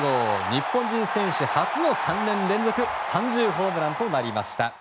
日本人選手初の３年連続３０ホームランとなりました。